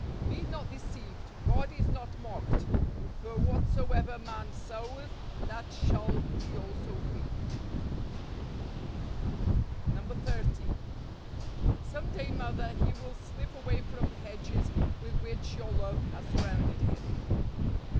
" Be not deceived; God is not mocked; for what¬ soever a man soweth , that shall he also reap. 30. " Some day, mother, he will slip away from the hedges with which your love has surrounded him.